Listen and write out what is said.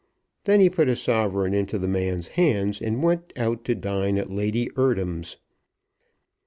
Then he put a sovereign into the man's hand, and went out to dine at Lady Eardham's.